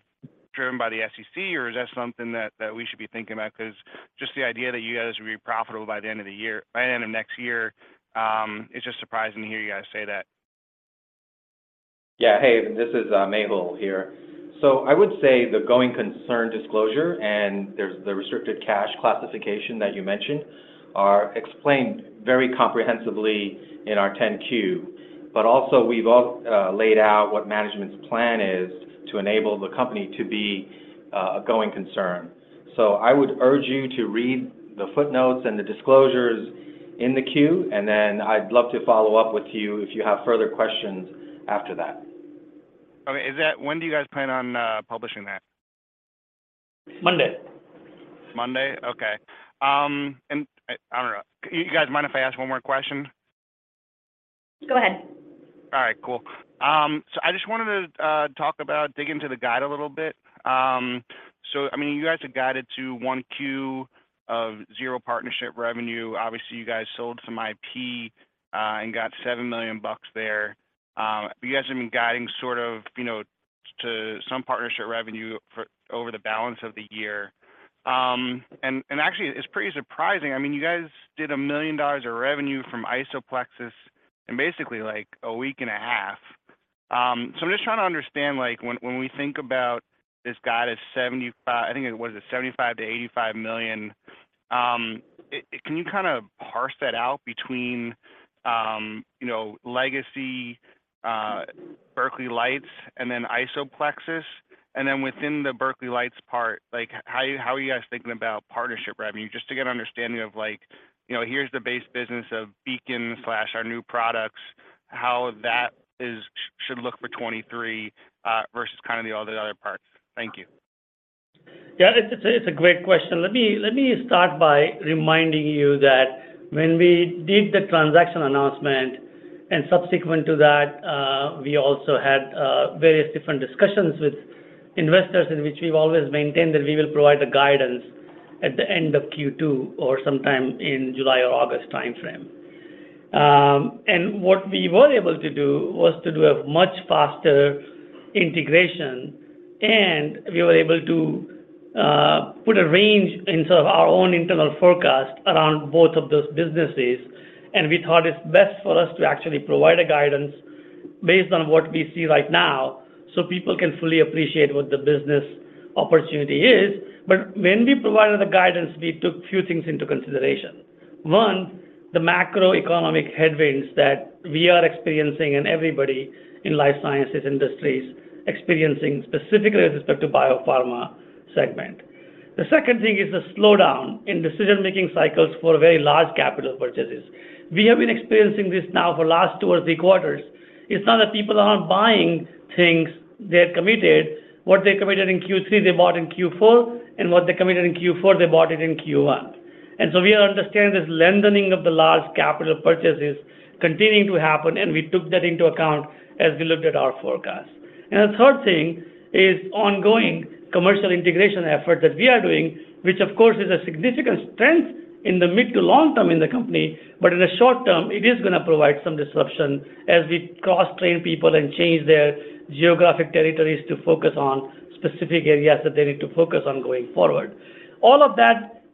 S7: driven by the SEC, or is that something that we should be thinking about? 'Cause just the idea that you guys will be profitable by the end of the year, by the end of next year, it's just surprising to hear you guys say that.
S4: Yeah. Hey, this is Mehul here. I would say the going concern disclosure, and there's the restricted cash classification that you mentioned, are explained very comprehensively in our 10-Q. We've laid out what management's plan is to enable the company to be a going concern. I would urge you to read the footnotes and the disclosures in the Q. I'd love to follow up with you if you have further questions after that.
S7: Okay. When do you guys plan on publishing that?
S3: Monday.
S7: Monday? Okay. I don't know. You guys mind if I ask one more question?
S2: Go ahead.
S7: All right, cool. I just wanted to talk about, dig into the guide a little bit. I mean, you guys have guided to 1 Q of 0 partnership revenue. Obviously, you guys sold some IP, and got $7 million there. You guys have been guiding sort of, you know, to some partnership revenue for over the balance of the year. Actually it's pretty surprising. I mean, you guys did $1 million of revenue from IsoPlexis in basically, like, a week and a half. I'm just trying to understand, like when we think about this guidance I think it was $75 million-$85 million, can you kind of parse that out between, you know, legacy Berkeley Lights and then IsoPlexis? Then within the Berkeley Lights part, like how are you guys thinking about partnership revenue? Just to get an understanding of like, you know, here's the base business of Beacon/ our new products, how that should look for 2023 versus kind of the all the other parts. Thank you.
S3: Yeah, it's a great question. Let me start by reminding you that when we did the transaction announcement and subsequent to that, we also had various different discussions with investors in which we've always maintained that we will provide the guidance at the end of Q2 or sometime in July or August timeframe. What we were able to do was to do a much faster integration, and we were able to put a range in sort of our own internal forecast around both of those businesses. We thought it's best for us to actually provide a guidance based on what we see right now, so people can fully appreciate what the business opportunity is. When we provided the guidance, we took few things into consideration. One, the macroeconomic headwinds that we are experiencing and everybody in life sciences industry experiencing specifically with respect to biopharma segment. The second thing is the slowdown in decision-making cycles for very large capital purchases. We have been experiencing this now for last two or three quarters. It's not that people aren't buying things, they're committed. What they committed in Q3, they bought in Q4, and what they committed in Q4, they bought it in Q1. So we understand this lengthening of the large capital purchases continuing to happen, and we took that into account as we looked at our forecast. The third thing is ongoing commercial integration effort that we are doing, which of course, is a significant strength in the mid to long term in the company. In the short term, it is going to provide some disruption as we cross-train people and change their geographic territories to focus on specific areas that they need to focus on going forward. All of that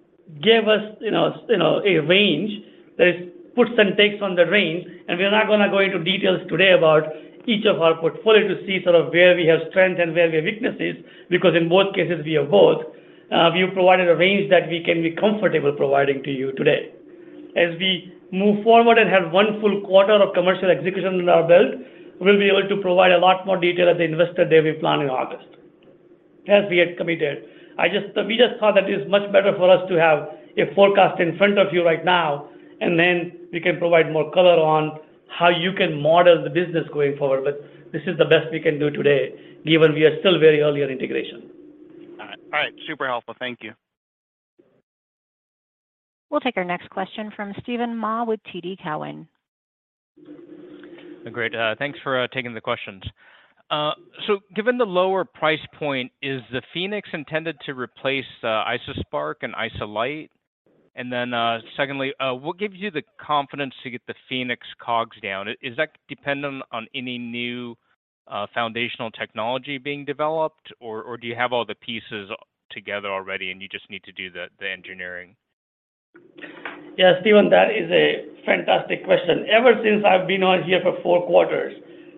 S3: gave us, you know, a range. There's puts and takes on the range, and we're not going to go into details today about each of our portfolio to see sort of where we have strength and where we have weaknesses, because in both cases we have both. We've provided a range that we can be comfortable providing to you today. As we move forward and have one full quarter of commercial execution under our belt, we'll be able to provide a lot more detail at the investor day we plan in August. As we had committed. We just thought that it is much better for us to have a forecast in front of you right now and then we can provide more color on how you can model the business going forward. This is the best we can do today, given we are still very early in integration.
S7: All right. All right. Super helpful. Thank you.
S1: We'll take our next question from Steven Ma with TD Cowen.
S8: Great. Thanks for taking the questions. Given the lower price point, is the Phoenix intended to replace IsoSpark and IsoLight? Secondly, what gives you the confidence to get the Phoenix COGS down? Is that dependent on any new foundational technology being developed? Or do you have all the pieces together already and you just need to do the engineering?
S3: Yeah, Steven, that is a fantastic question. Ever since I've been on here for four quarters,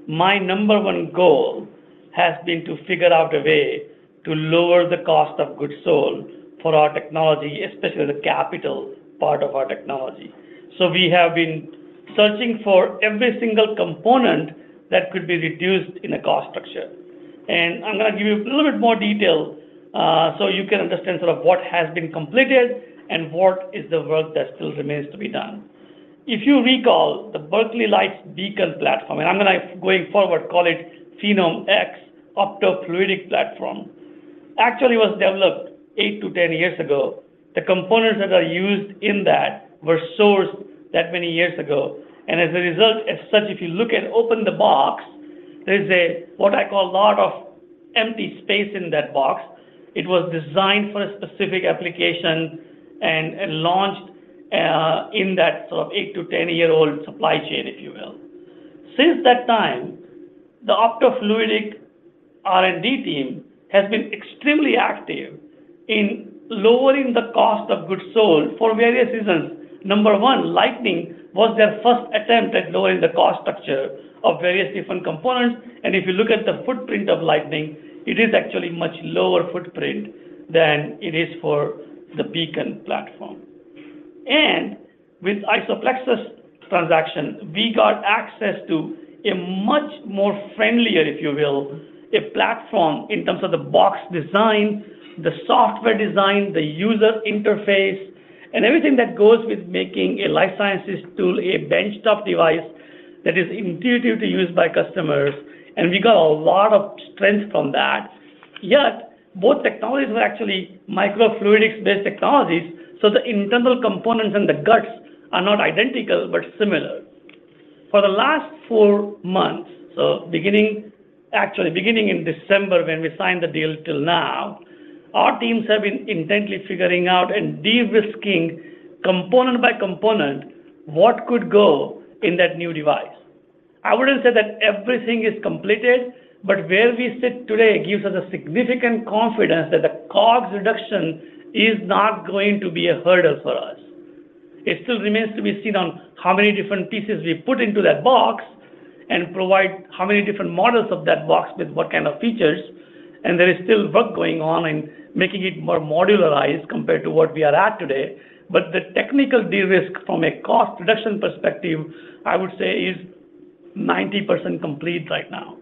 S3: my number one goal has been to figure out a way to lower the cost of goods sold for our technology, especially the capital part of our technology. We have been searching for every single component that could be reduced in a cost structure. I'm gonna give you a little bit more detail, so you can understand sort of what has been completed and what is the work that still remains to be done. If you recall, the Berkeley Lights Beacon platform, and I'm gonna, going forward, call it PhenomeX optofluidic platform, actually was developed eight to 10 years ago. The components that are used in that were sourced that many years ago. As a result, as such, if you look at open the box, there's what I call a lot of empty space in that box. It was designed for a specific application and launched in that sort of eight to 10 year old supply chain, if you will. Since that time, the optofluidic R&D team has been extremely active in lowering the cost of goods sold for various reasons. Number one, Lightning was their first attempt at lowering the cost structure of various different components. If you look at the footprint of Lightning, it is actually much lower footprint than it is for the Beacon platform. With IsoPlexis transaction, we got access to a much more friendlier, if you will, a platform in terms of the box design, the software design, the user interface, and everything that goes with making a life sciences tool a benchtop device that is intuitive to use by customers. We got a lot of strength from that. Both technologies were actually microfluidics-based technologies, so the internal components and the guts are not identical, but similar. For the last four months, so actually beginning in December when we signed the deal till now, our teams have been intently figuring out and de-risking component by component what could go in that new device. I wouldn't say that everything is completed, but where we sit today gives us a significant confidence that the COGS reduction is not going to be a hurdle for us. It still remains to be seen on how many different pieces we put into that box and provide how many different models of that box with what kind of features, and there is still work going on in making it more modularized compared to what we are at today. The technical de-risk from a cost reduction perspective, I would say, is 90% complete right now.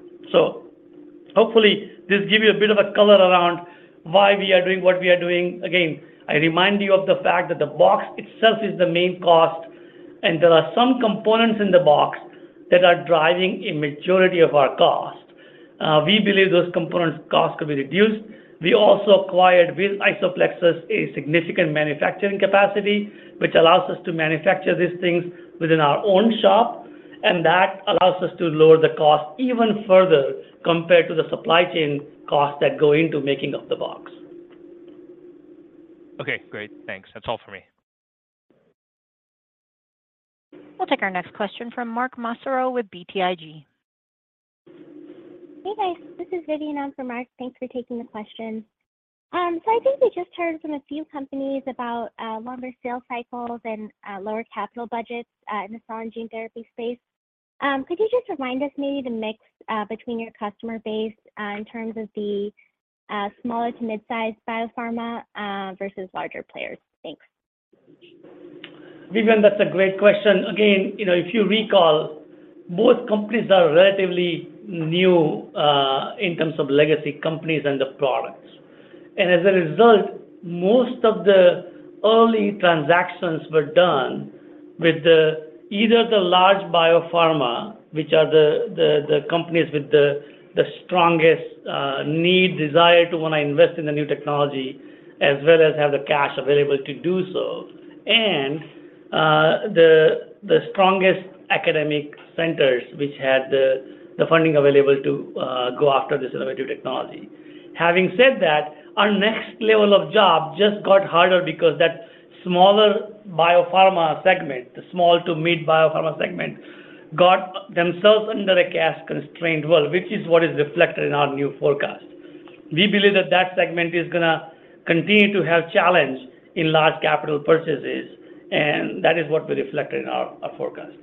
S3: Hopefully this give you a bit of a color around why we are doing what we are doing. Again, I remind you of the fact that the box itself is the main cost, and there are some components in the box that are driving a majority of our cost. We believe those components cost could be reduced. We also acquired with IsoPlexis a significant manufacturing capacity, which allows us to manufacture these things within our own shop. That allows us to lower the cost even further compared to the supply chain costs that go into making of the box.
S8: Okay, great. Thanks. That's all for me.
S1: We'll take our next question from Mark Massaro with BTIG.
S9: Hey, guys. This is Vidyun on for Mark. Thanks for taking the question. I think we just heard from a few companies about longer sales cycles and lower capital budgets in the cell and gene therapy space. Could you just remind us maybe the mix between your customer base in terms of the smaller to mid-size biopharma versus larger players? Thanks.
S3: Vidyun, that's a great question. Again, you know, if you recall, both companies are relatively new, in terms of legacy companies and the products. As a result, most of the early transactions were done with either the large biopharma, which are the, the companies with the strongest need, desire to want to invest in the new technology as well as have the cash available to do so, and the strongest academic centers which had the funding available to go after this innovative technology. Having said that, our next level of job just got harder because that smaller biopharma segment, the small to mid biopharma segment, got themselves under a cash constraint world, which is what is reflected in our new forecast. We believe that segment is gonna continue to have challenge in large capital purchases, and that is what we reflected in our forecast.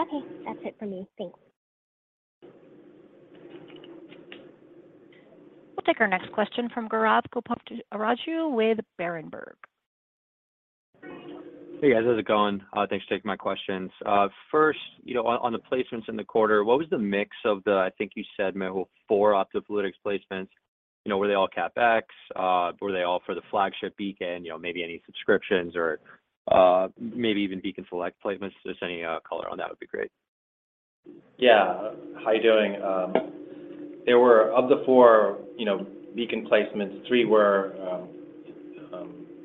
S9: Okay. That's it for me. Thanks.
S1: We'll take our next question from Gaurav Kapur with Berenberg.
S10: Hey, guys. How's it going? Thanks for taking my questions. First, you know, on the placements in the quarter, what was the mix of the, I think you said, Mehul, four optofluidics placements? You know, were they all CapEx? Were they all for the Flagship Beacon? You know, maybe any subscriptions or, maybe even Beacon Select placements. Just any color on that would be great.
S4: Yeah. How you doing? Of the four, you know, Beacon placements, three were,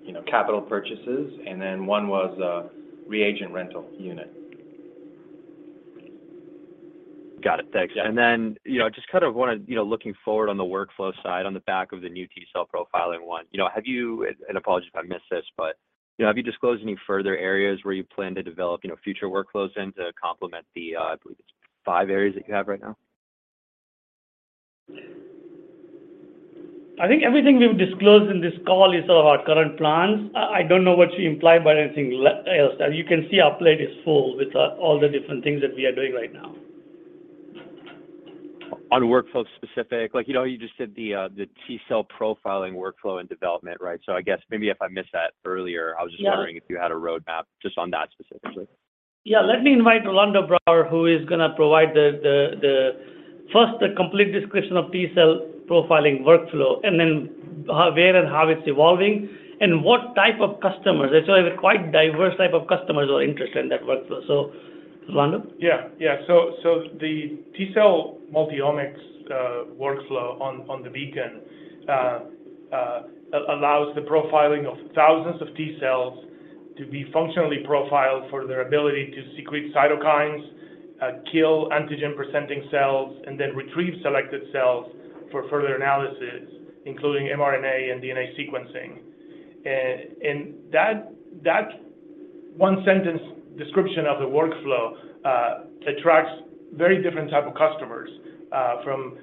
S4: you know, capital purchases, and then one was a reagent rental unit.
S10: Got it. Thanks.
S4: Yeah.
S10: you know, just kind of wanna, you know, looking forward on the workflow side on the back of the new T cell profiling one, you know, apologies if I missed this, but, you know, have you disclosed any further areas where you plan to develop, you know, future workflows in to complement the, I believe it's five areas that you have right now?
S3: I think everything we've disclosed in this call is our current plans. I don't know what you imply by anything else. You can see our plate is full with all the different things that we are doing right now.
S10: On workflow specific, like, you know, you just said the T-cell profiling workflow and development, right? I guess maybe if I missed that earlier.
S3: Yeah.
S10: If you had a roadmap just on that specifically.
S3: Yeah. Let me invite Rolando Brouwer, who is gonna provide the complete description of T-cell profiling workflow and then, where and how it's evolving and what type of customers. Actually, quite diverse type of customers are interested in that workflow. Rolando?
S11: Yeah. Yeah. The T-cell multiomics workflow on the Beacon allows the profiling of thousands of T-cells to be functionally profiled for their ability to secrete cytokines, kill antigen-presenting cells, and then retrieve selected cells for further analysis, including mRNA and DNA sequencing. That one-sentence description of the workflow attracts very different type of customers, from,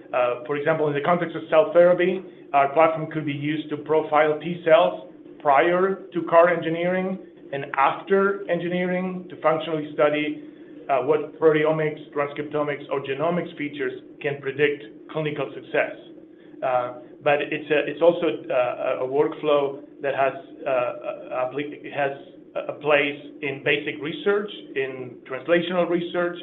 S11: for example, in the context of cell therapy, our platform could be used to profile T-cells prior to CAR engineering and after engineering to functionally study what proteomics, transcriptomics, or genomics features can predict clinical success. It's also a workflow that has, I believe has a place in basic research, in translational research.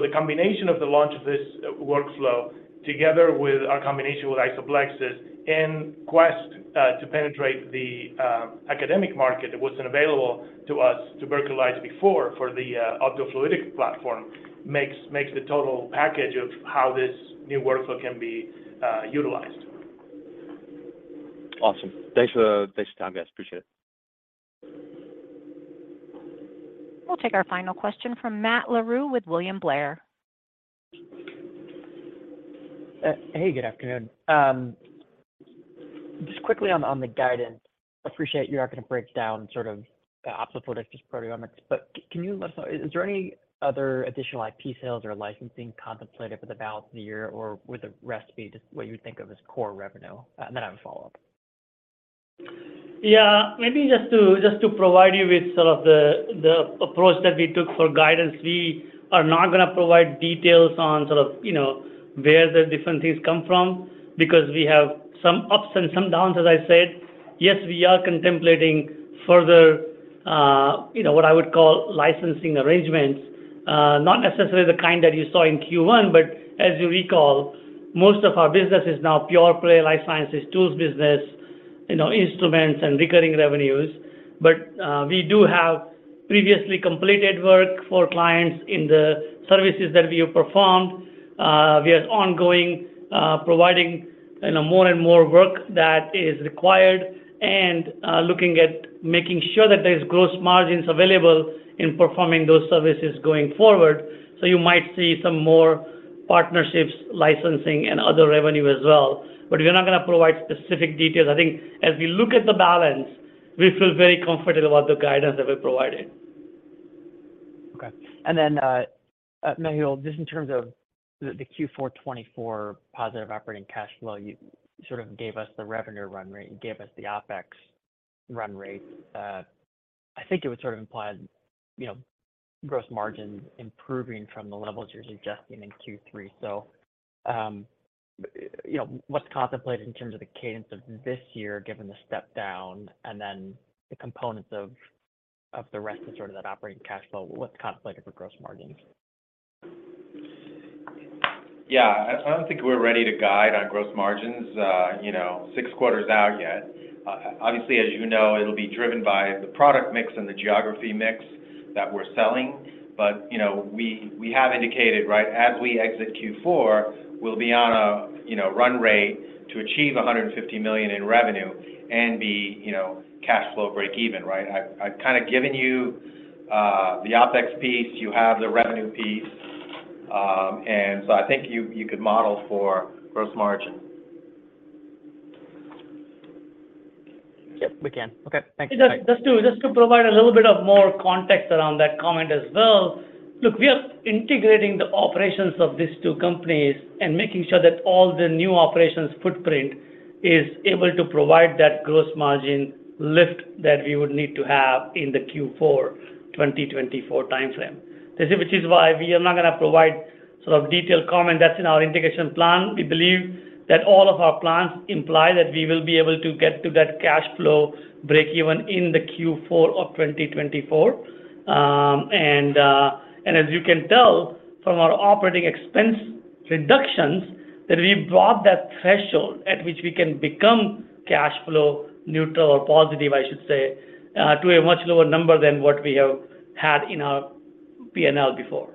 S11: The combination of the launch of this workflow together with our combination with IsoPlexis in Quest to penetrate the academic market that wasn't available to us to virtualize before for the optofluidic platform makes the total package of how this new workflow can be utilized.
S10: Awesome. Thanks for your time, guys. Appreciate it.
S1: We'll take our final question from Matt Larew with William Blair.
S12: Hey, good afternoon. Just quickly on the guidance. Appreciate you're not gonna break down sort of optofluidics plus proteomics, but can you let us know, is there any other additional IP sales or licensing contemplated for the balance of the year, or would the rest be just what you would think of as core revenue? I have a follow-up.
S3: Yeah, maybe just to provide you with sort of the approach that we took for guidance. We are not gonna provide details on sort of, you know, where the different things come from because we have some ups and some downs, as I said. Yes, we are contemplating further, you know, what I would call licensing arrangements. Not necessarily the kind that you saw in Q1, as you recall, most of our business is now pure play life sciences tools business, you know, instruments and recurring revenues. We do have previously completed work for clients in the services that we have performed. We are ongoing, providing, you know, more and more work that is required and, looking at making sure that there's gross margins available in performing those services going forward. You might see some more partnerships, licensing, and other revenue as well. We're not gonna provide specific details. I think as we look at the balance, we feel very confident about the guidance that we provided.
S12: Okay. Mehul, just in terms of the Q4 2024 positive operating cash flow, you sort of gave us the revenue run rate. You gave us the OpEx run rate. I think it would sort of imply, you know, gross margins improving from the levels you're suggesting in Q3. you know, what's contemplated in terms of the cadence of this year, given the step down and then the components of the rest of sort of that operating cash flow? What's contemplated for gross margins?
S4: Yeah. I don't think we're ready to guide on gross margins, you know, 6 quarters out yet. Obviously, as you know, it'll be driven by the product mix and the geography mix that we're selling. You know, we have indicated, right, as we exit Q4, we'll be on a, you know, run rate to achieve $150 million in revenue and be, you know, cash flow break even, right? I've kinda given you the OpEx piece. You have the revenue piece. I think you could model for gross margin.
S12: Yep, we can. Okay, thank you.
S3: Just to provide a little bit of more context around that comment as well. Look, we are integrating the operations of these two companies and making sure that all the new operations footprint is able to provide that gross margin lift that we would need to have in the Q4 2024 timeframe. This is why we are not gonna provide sort of detailed comment that's in our integration plan. We believe that all of our plans imply that we will be able to get to that cash flow breakeven in the Q4 of 2024. As you can tell from our operating expense reductions, that we've brought that threshold at which we can become cash flow neutral or positive, I should say, to a much lower number than what we have had in our P&L before.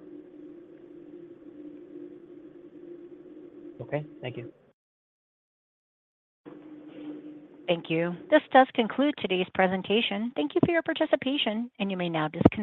S12: Okay. Thank you.
S1: Thank you. This does conclude today's presentation. Thank you for your participation. You may now disconnect.